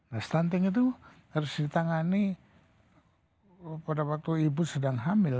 nah stunting itu harus ditangani pada waktu ibu sedang hamil